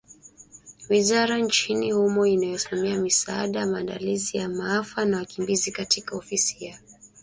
Wizara nchini humo inayosimamia misaada, maandalizi ya maafa na wakimbizi katika Ofisi ya Waziri Mkuu ilisema katika taarifa yake Jumapili jioni